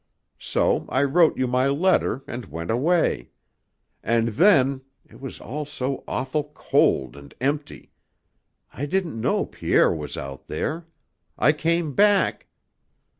So I wrote you my letter and went away. And then it was all so awful cold and empty. I didn't know Pierre was out there. I came back...."